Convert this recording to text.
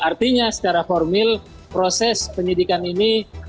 artinya secara formil proses penyidikan ini